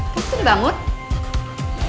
kau bisa dibangun